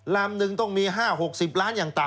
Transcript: ลำนึงต้องมี๕๖๐ล้านอย่างต่ำ